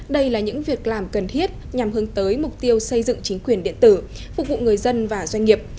đây là những việc làm cần thiết nhằm hướng tới mục tiêu xây dựng chính quyền điện tử phục vụ người dân và doanh nghiệp